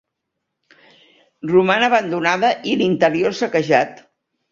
Roman abandonada i l'interior saquejat.